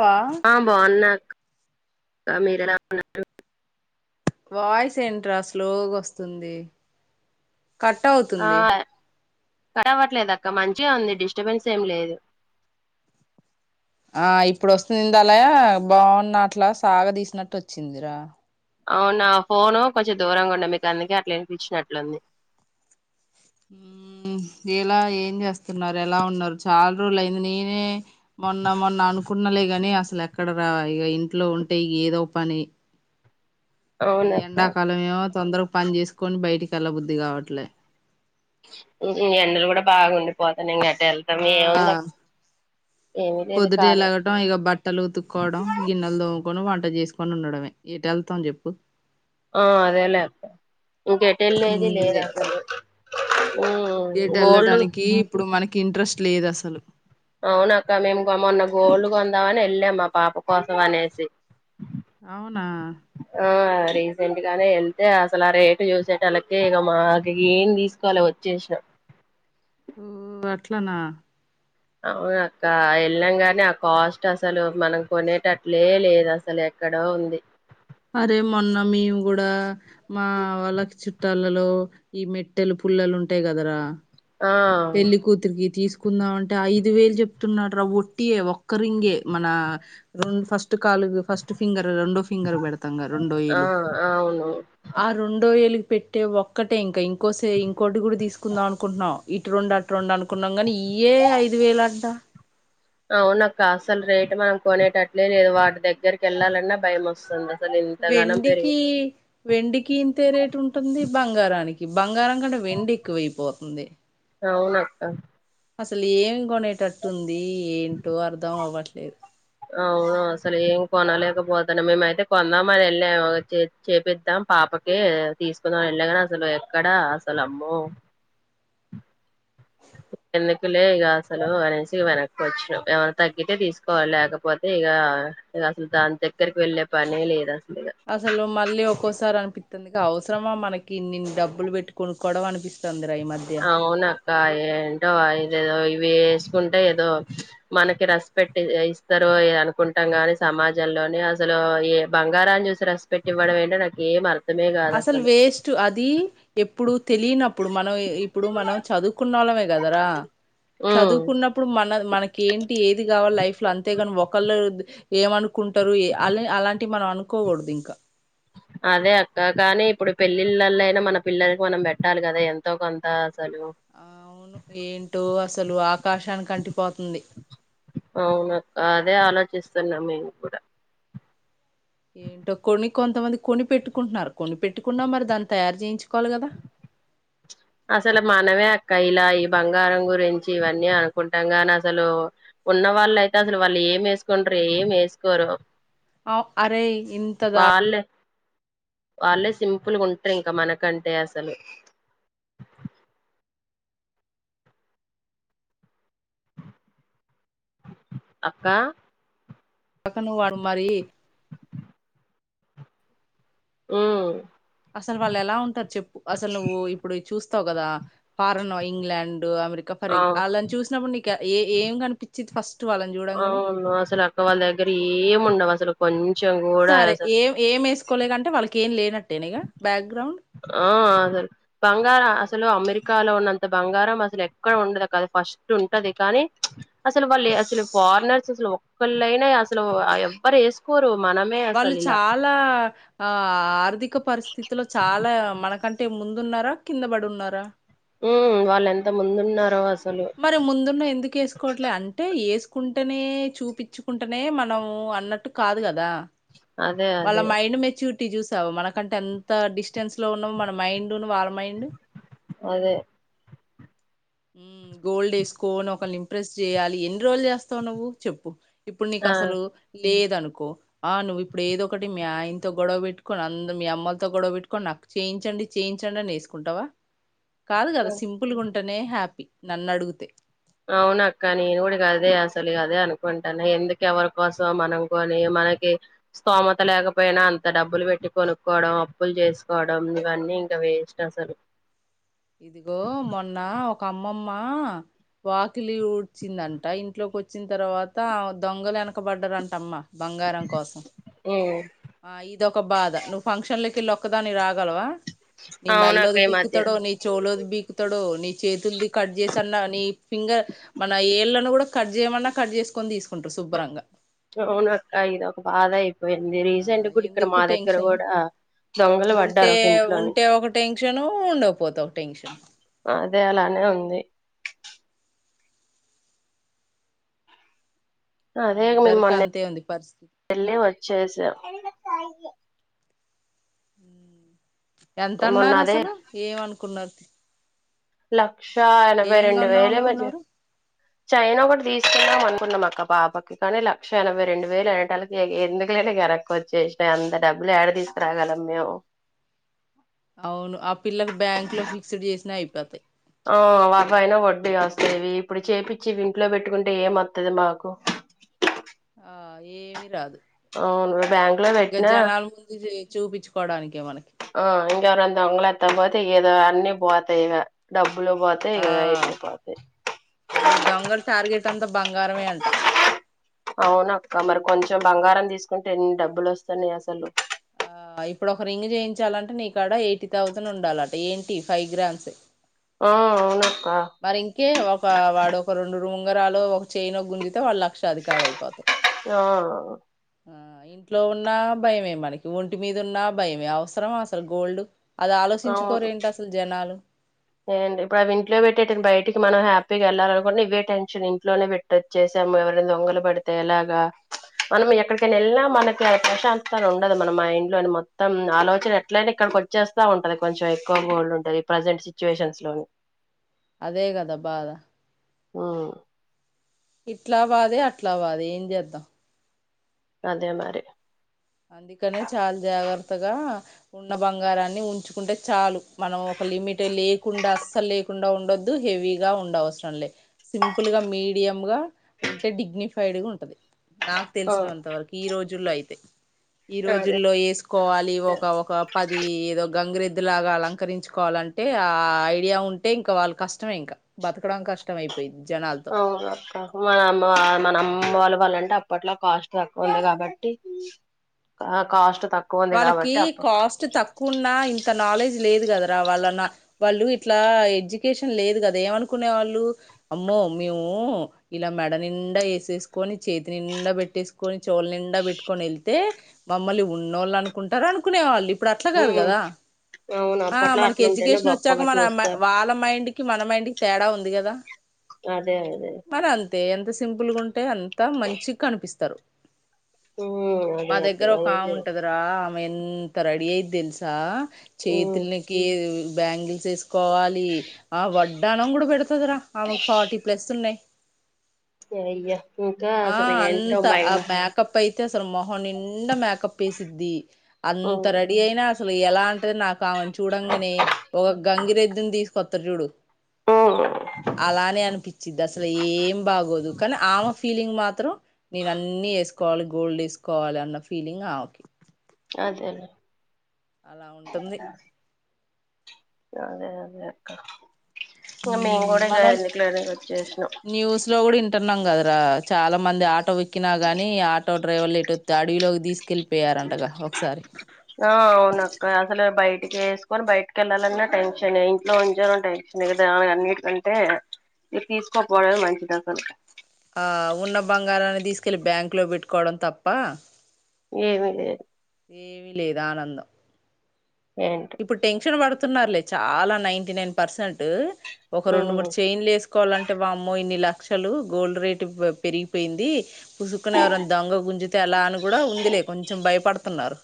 వా ఆ బావున్నా అ మీరెలా ఉన్నారు వాయిస్ ఎంట్రా స్లోగొస్తుంది కట్ అవుతుంది కాటవట్లేదక్క మంచిగా ఉంది డిస్టబెన్స్ ఏం లేదు ఆ ఇప్పుడు వస్తుంది అలయ బాగున్న అట్లా సాగ తీసినట్టు వచ్చిందిరా అవునా ఫోను కొంచెం దూరంగా ఉండ మీకు అందుకే అట్లా వినిపించినట్లుంది ఉ ఎలా ఏం చేస్తున్నారు. ఎలా ఉన్నారు చాలా రోజులు అయింది. నేనే మొన్న మొన్న అనుకున్నాలే గని అస్సలు ఎక్కడ రా ఇగ ఇంట్లో ఉంటే ఏదో పని. ఈ అవునక్క ఎండాకాలం ఏమొ తొందరగా పని చేసుకొని బయటికి ఎళ్ళ బుద్ధి కావట్లే ఈ ఎండలు కూడా బాగుండిపోత ఆ ఏమీ లేదు పొద్దుటే ఖాళీ లెగటం ఇక బట్టలు ఉతుక్కోవడం గిన్నెలు దోము కొను వంట చేసుకొని ఉండడమే ఎటు వెళ్తాం చెప్పు ఆ అదే లే ఇంకెటు ఎళ్లేది లేదు మ్మ్ అస్సలు ఎటు ఎళ్ళటానికి ఇప్పుడు మనకి ఇంట్రెస్ట్ లేదు అస్సలు అవున అక్క మేము మొన్న గోల్డ్ కొందామని వెళ్ళాం మా పాప కోసం అనేసి అవునా ఆ రీసెంట్ ఇగానే ఎళ్తే అస్సలు ఆ రేటు చూసేటళ్లకే ఇక మాకు ఏం తీసుకోల వచ్చేసిన ఊ అట్లనా అవును అక్క వెళ్ళం కాని ఆ కాస్ట్ అసలు మనం కొనేటట్లే లేదు అసలు ఎక్కడో ఉంది అరే మొన్న మేమ్ కూడా మా వాళ్ళకి చుట్ కాళ్లలో ఈ మెట్టెలు పుల్లలు ఉంటాయి కదరా ఆ పేళ్లి కుతురికి తీస్ కుందాం అంటే ఐదు వేలు చెప్తున్నార్ర ఒట్టియే ఒక్కరింగే మన రెం ఫస్ట్ కాలు ఫస్ట్ ఫింగర్ రెండో ఫింగర్ కు పెడతాం గా రెండో ఆ ఏలు అవును ఆ రెండో ఏలు పెట్టే ఒక్కటే ఇంక ఇం కోసే ఇంకోటి కూడా తీసుకుందాం అనుకుంటున్నాం ఇటు రెండు అటు రెండు అనుకున్నాం కానీ ఇయ్యే ఐదు వేలు అంటా అవున అక్క అస్సలు రేటు మనం కొనేటట్లే లేవు వాటి దగ్గరకి వెళ్ళాలన్నా భయం వస్తుంది అసలు ఇంతగానం పెరిగి వెండికి వెండికి ఇంతే రేటు ఉంటుంది బంగారానికి బంగారం కంటే వెండి ఎక్కువైపోతుంది అవునక్క అసలు ఏమి కొనేటట్టుం ది ఏంటో అర్ధం అవ్వట్లే లేదు అవును అసలు ఏం కొనలేకపోతన్నం, మేమైతే కొందాం అని వెళ్ళాము చే చేపిద్దాం పాపకి తీసుకుందామని వెళ్ళాంగాని అసలు ఎక్కడా అసలు అమ్మో. వెద్దులే ఇక అసలు అనేసి వెనక్కి వచ్చినామ్ ఏమైనా తగ్గితే తీసుకోవాలి లేకపోతే ఇగ అస్సలు దాని దగ్గరకి వెళ్లే పనే లేదు అస్స అసలు మళ్ళీ ఒక్కోసారి అనిపి పిత్తుంది అవసరమా మనకి ఇన్నిన్ని డబ్బులు పెట్టు కొనుక్కవడం అనిపిస్తుంది ఈ మధ్య ఇ ఏంటో ఇదేదో ఇవి వేసుకుంటే ఏదో మనకి రెస్పెక్ట్ ఇస్తారు అనుకుంటాం గాని సమాజంలోని అసలు ఏ బంగారాన్ని చూసి రెస్పెక్ట్ ఇవ్వడం ఏంటో నాకు ఏ అర్ అసలు వేస్ట్ అది ఎప్పుడు తెలియనప్పుడు మనం ఇప్పు ఇప్పుడు మనం చదువు చదువుకున్న వాళ్ళమే కదరా ఉమ్ చదువుకున్నప్పుడు మన మనకి ఏంటి ఏది కావాలి లైఫ్ లో అంతేగాని ఒకళ్ళు ఏమనుకుంటారు ఏ అలా అలాంటి మనం అనుకోకూడదు ఇంకా అదే అక్క కాని ఇప్పుడు పెళ్ళిళ్ళలో అయినా మన పిల్లలకి మనం పెట్టాలి కదా ఎంతో కొంత అసలు అవును ఏంటో అసలు ఆకాశానికి ఆంటీపోతుంది సల మేం కూడా ఏంటో కొని కొంతమంది కొని పెట్టుకుంటున్నారు కొని పెట్టుకున్నా మరి దాన్ని తయారు చేయించుకోవాలి కదా అసలు మనమే అక్క ఇలా ఈ బంగారం గురించి ఇవన్నీ అనుకుంటాం గాని అసలు ఉన్న వాళ్ళు అయితే అసలు వాళ్ళు ఏం వేసుకుంటారు ఏం వేసుకోరు అఔ అరే ఇంతదా వాళ్ళే వాళ్ళే సింపుల్ ఉంటారు ఇంకా మనకంటే అసలు అక్కా కాక ను ఆడు మరి ఉ అసలు వాళ్ళు ఎలా ఉంటారు చెప్పు అసలు నువ్వు ఇప్పుడు చూస్త తగదా ఫారనో ఇంగ్లాండ్ అమెరికా పరే అవు ఆళ్లను చూసినప్పుడు నీక ఏ ఏం కనిపించ చిట్ ఫస్ట్ వాళ్ళని చూడంగానే అవును అసలు అక్క వాళ్ళ దగ్గర ఏము ఉండవు అసలు పన్ సరే ఏ ఏం వేసుకోలే కంటే వాళ్ళకి కేం లేనట్టు ఆ అదే బంగారా ఆస్తి అసలు అమెరికాలో ఉన్నంత బంగారం అసలు ఎక్కడ ఉండదు కాదు ఫస్ట్ ఉంటది కానీ అసలు వాళ్ళు అసలు ఫారినర్స్ అసలు ఒక్కళ్ళైనా అసలు ఎవ్వరు వేసుకోరు మనమే వాళ్ళు అసలు ఇలా చాలా ఆ ఆర్థి క పరిస్థితిలో చాలా మా మనకంటే ముందున్నారా కింద పడి ఉన్నారా వాళ్ళు ఎంత ముందు ఉన్నారో అస మరి ముందున్న ఎందుకు వేసుకోవట్లే అంటే వేసుకో కుంటేనే చూపించుకుంటేనే మనం అన్నట్టు కాదు కదా అదే వాళ్ళ అదే మైండ్ మెచ్యూ రీట్టి చూసావు మనకంటే ఎంత డిస్టెన్స్ లో ఉన్నామో మన మైండ్ వాళ్ల మైండ్ అదే ఉమ్ గోల్డేసుకోన్ ఒకల్నింప్రెస్ జేయాలి ఎన్న్ రోజ్లేస్తావ్ నువ్వు చెప్పు. ఇప్పుడ్ ఆ నీకస్సలు ఈ లేదనుకో ఆ నువ్విప్పుడు ఏదోకటి మీ ఆయిన్తో గొడవ బెట్టుకొని అందు మీ అమ్మొల్ల్తో గొడవ బెట్టుకొని నాకు చేయించండి చేయించండి అని ఏసుకుంటవ. కాదు గద సింపుల్ గుంట నే హ్యాపీ నన్నడుగుతే అవునక్క నేన్ గూడిగదే అసలు ఇగదే అనుకుంటాన్న ఎందుకెవరికోసమో మనం కొని మనకి స్తోమత లేకపోయినా అంత డబ్బులు బెట్టి కొనుక్కోవడం అప్పులు జేస్కోడం ఇవన్నీ ఇంక వేస్టసలు. ఇదిగో మొన్న ఒ కమ్మమ్మ వాకిలి ఊడ్చిందంట ఇంట్లోకొచ్చిన్ తర్వాత దొంగలెనకబడ్డరంటమ్మ బంగారం కోసం. ఓ క్కదానివి రాగలవా అవునక్క నిమెల్లోది ఈ మధ్య బీకుతడో నీ చొవ్లోది బీకుతడో నీ చేతుల్ది కట్ జేసన్న నీ ఫింగర్ మన ఏళ్ళలను గూడ. కడ్ జేయమన్నా కడ్ జేస్కొని దీసుకుంట్రు స్సబ్బరంగ. ఔనక్క ఇదొక బాధై పోయింది ఆ రీసెంట్ గ్గూడిక్కడ ఎందుకు మా దగ్గర టెన్షన్ గూడా దొంగలు బడ్డారు ఉంటే ఒకింట్లోని ఉంటే ఒక టెన్షను ఉండకపోతే ఒక టెన్షన్ అదే అలానే ఉంది. అదేగ నే అందరికి [unintelligible] అంతే ఉంది పరిస్థితి మొన్నెళ్ళి వచ్చేసాం. హుమ్ మొన్న అదే ఎంతన్నారసలు ఏమనుకున్నార్ లక్షా ఎనభై ఏమేం రెండు కొందాం వేలేమొజ అనుకున్నారు చైనొకటి దీసుకుందామనుకున్నమక్క పాపకి కాని లక్ష ఎనభై రెండు వేలనేటాళ్కి ఎగ ఎందుకు లే అని గరక్కొచ్చేష్నా అంత డబ్బులు యాడ దీసుకురాగలం మేము. అవును పెతాయ్ ఆ వవ్వయినా వడ్డీ వస్తాయ్వి ఇప్పుడు చేపిచ్చివింట్లో పెట్టుకుంటే ఏమొత్తది మాకు. ఆ ఏమీ రాదు అవును బ్యాంక్ లో ఇగ జనాల్ ముందు జే చూపించుకోడానికి. ఒ ఇంగ రొంత అంగలాత్తే బో తెయ్యదో అన్నీ బోతాయిగ డబ్ బ్బులు బోతాయ్ ఆ ఇగ అన్ని పోతాయ్ ఇప్పుడు దొంగలు టార్గెట్ అంతా బంగారమే అంట ఔనక్క మరి కొంచ్. కొంచెం బంగారం దీస్కుంటే ఎన్ని డబ్బులొస్తన్నాయసలు. ఆ ఇప్పుడు ఒక రింగ్ జేయించాలంటే నీకాడ ఎయ్టీ థౌసండ్ ఉండాలట ఏంటి ఫైవ్ గ్రామ్సే. ఆ అవునక్క మరింకే ఒక వాడు ఒక రొండు. ఉంగరాలో ఒక చైనో గుంజితే వాళ్ళ లక్షాధికారయిపోతవ్ ఆ ఆ ఇంట్లో ఉన్నా భయమే మనకి ఒంటి మీదున్నా భయమే అవసరమా అసలు గోల్డు. అదాలోసించుకోరేంటసలు జనాలు. ఏం ఇప్పుడు అవి ఇంట్లో పెట్టేటండి బయటికి మనం హ్యాపీగా వెళ్ళాలినుకుంటని ఇవ్వే టెన్షన్ ఇంట్లోనే పెట్ొచ్చేసాము ఎవరైనా దొంగలు పడితే ఎలాగా మనం ఎక్కడికైనా వెళ్ళినా మనకి ప్రశాంతత ఉండదు మన మా ఇండ్లోని మొత్తం ఆలోచన ఎట్లయినా ఇక్కడికి వచ్చేస్తా ఉంటది కొంచెం ఎక్కువ గోల్డ్ ఉంటది ప్రజెంట్ సిచ్యువేషన్స్ లోని అదే కదా బాధ ఆ ఇట్లా వాద అట్లా వాద ఏంది చెధమ్ అదే మరి అందుకనే చాలా జాగ్రత్తగా ఉన్న బంగారాన్ని ఉంచుకుంటే చాలు మనం ఒక లిమిట్ లేకుండా అస్సలు లేకుండా ఉండొద్దు హెవీగా ఉండ అవసరం లే సింపుల్గా మీడియంగా ఉంటే డిగ్నిఫైడ్ గా ఉంటది నాకు ఆ తెలిసినంతవరకు ఈ రోజు జూలైయితే ఈ అదే రోజుల్లో వేసుకోవాలి ఒక ఒక పది ఏదో గంగిరెద్దు లాగా అలంకరించుకోవాలంటే ఆ ఐడియా ఉంటే ఇంకా వాళ్ళు కష్టమే ఇంకా బతకడం కష్టం అయిపోయింది అవును అక్క మన అమ్మ మన అమ్మ వాళ్ళు ంటే అప్పట్లో కాస్ట్ తక్కువంది కాబట్టి కా కాస్ట్ తక్కువ ఉంది వాళ్ళకి కాబట్టి అప్ప కాస్ట్ తక్కువన్న ఇంత నాలెడ్జ్ లేదు కదా రా వాళ్లన్నా, వాళ్ళు ఇట్లా ఎడ్యుకేషన్ లేదు కదా, ఏమనుకునేవాళ్ళు, అమ్మో అమ్మియో, ఇలా మెడ నిండా వేసేసుకుని, చేతి నిండా పెట్టేసుకొని, చోలి నిండా పెట్టుకొని వెళ్తే, మమ్మలు. ఉన్నోళ్ళు అనుకుంటారు అనుకునే వాళ్ళు ఇప్పుడు అట్లా కాదు ఉమ్ కదా అవును ఆ అప్పట్లో మనకి అట్లుంటేనే ఎడ్యుకేషన్ వచ్చాక గొప్పగా మన చూస్తా వాళ్ళ మైండ్కి మన మైండ్ కి తేడా ఉంది గదా అదే అదే ఎంత సింపుల్గాంటే అంత అంత మంచిగా కనిపిస్తారు [unintelligible] అదే అ [unintelligible] ఆ ఆమె ఎంత రెడి అయిదిల్సా ఉమ్ చేయతు లాకి బ్యాంగిల్స్స్ ఎస్‌యూ కోవాలి ఆ వడ్డానం కూడా పెడతుందిరా ఆమెకు ఫార్టీ ప్లస్ ఉన్నాయి్ స [unintelligible] ఆ అంత ఆ మ్యాకప్ ఐతే అసలు మొహన్ నిండా మేకప్ వసిద్ది అంత ఉమ్ రెడీ అయినా అసలు ఎలా అంటది నాకు ఆమెను చూడంగానే ఒక గంగిరెద్దుని తీసు కొత్త చూడు ఉమ్ అలానే అనిపించిది అసలు ఏం బాగోదు కానీ ఆమె ఫీలింగ్ మాత్రం నేను అన్నివేసు కోల గోల్డ్ వేసుకోవాలి అన్న ఫీలింగ్ ఆక అదేలే అలా ఉంటుంది అదే అదే అక్క ఇంగ మేము కూడా ఇగ మనం ఎందుకులేని వచ్చేసినాం న్యూస్ లో కూడా ఇంటనామ్ కదా ఆ చాలా మంది ఆటో విక్కినా కాని ఆటో డ్రైవర్ లేటొతే అడవిలోకి తీసుకెళ్ళి పోయారంటగా ఒకసారి ఇక ఏసుకొని బయటికి వెళ్ళాలన్నా టెన్షనే ఇంట్లో ఉంచిన టెన్షనే కదా అ అన్నిటికంటే ఇది తీసుకోకపోవడమే మంచిది అసలు ఆ ఉన్న బంగారాన్ని తీసుకెళ్ళి బ్యాంక్ లో పెట్టుకోవడం తప్ప ఏమిలేదు లేదాఆనందం ఏంటో ఇప్పుడు టెన్షన్ పడు తున్నారులే చాలా నైన్టీ నైన్ పర్సెంటు ఒక రెండు ఉమ్ మూడు చైన్లు వేసుకోవాలంటే వామ్మో ఇన్ని లా లక్షలు గోల్డ్ రేట్ పెరిగిపోయింది పుసుక్కుని ఎవరైనా దొంగ గుంజుతే అలా అని కూడా ఉందిలే కొంచెం భయపడు తిన్నారు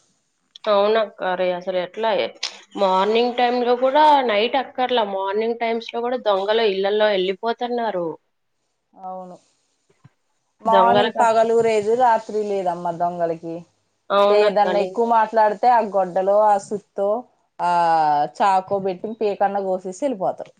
అవునక్కారు అసలు ఎట్లా మార్నింగ్ టైమ్ లో కూడా నైట్ అక్కర్లా మార్నింగ్ టైమ్స్ లో కూడా దొంగలు ఇళ్లల్లో ఎళ్ళిపోతున్నారు అవును మార్నింగ్ దొంగలక పగలూ లేదు రాత్రి ఏది లేదమ్మ దొంగలకి అవునక్క లేదన్న నేను ఎక్కువ మాట్లాడు తే ఆ గొడ్డలో ఆ సుత్తో ఆ చాకో పెట్టి పీకన్నా కోసేసి వెళ్ళిపోతారు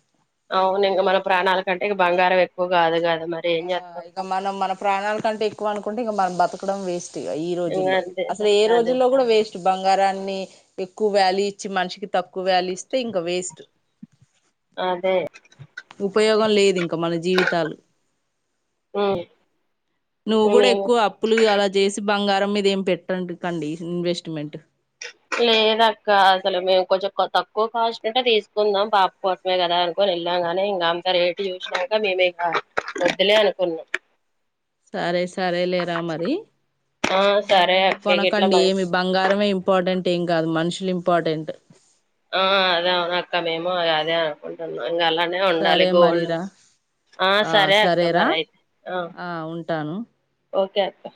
అవును ఇంకా మన ప్రాణాల కంటే ఇక బంగారం ఎక్కువ కాదు కద మరేం ఆ చేత్తం ఇక మనం మన ప్రాణాల కంటే ఎక్కువ అనుకుంటే ఇక మనం బతకడం వెస్ట్ ఇక ఈ ఇంగ రోజుల్లో అంతే అసలు ఏ అదే రోజుల్లో కూడా వేస్ట్ బంగారాన్ని ఎక్కువ వేల్యూ ఇచ్చి మనిషికి తక్కువ వేల్యూ ఇస్తే ఇంకా వేస్ట్ అదే ఉపయోగం లేదు ఇంక మన జీవితాలు హ్మ్ నువ్వు కూడా ఎక్కువ అప్పులు అలా చేసి బంగారం మీదేం పెట్టుండ కండి ఇన్వెస్ట్మెంట్ లేదక్క అసలు మేము కొంచెం తక్కువ కాస్ట్ ఉంటే తీసుకుందాం పాప కోసమే కదా అనుకుని వెళ్ళాం కాని ఇంకా అంత రేటు చూసినాక మేము ఇక వద్దులే అనుకున్నాం సరే సరేలేరా మరి ఆ సరే అక్క గిట్ల కొనకండి మరి ఏమి బంగారమే ఇంపార్టెంట్ ఏం కాదు మనుషులు ఇంపార్టెంట్ ఆ అదా అవునక్కా మేము అదేనుకుంటున్నామ్ ఇంకా అలానే ఉండాలి సరే గోల్డ్ మరిరా ఆ సరే అక్క మరి అయితే ఆ ఓకే అక్కా